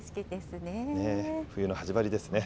冬の始まりですね。